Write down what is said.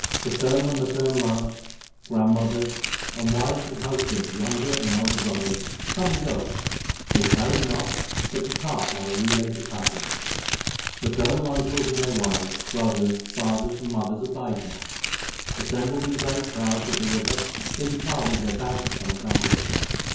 Paternal and maternal aunts, grandmothers, and wives of husbands younger and elder brothers Come and go ; they tarry not but depart like relays of passengers. Maternal uncles and their wives, brothers, fathers, and mothers abide not. 362 THE SIKH RELIGION Assembled in great crowds at the river they depart with their baggage like travellers.